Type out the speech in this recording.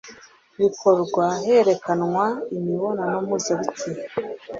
bigakorwa herekanwa imibonano mpuzabitsina